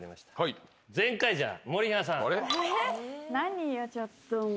何よちょっともう。